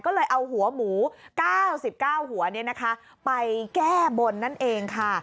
ก็เลยเอาหัวหมูเก้าสิบเก้าหัวเนี่ยนะคะไปแก้คนนั่นเองค่ะ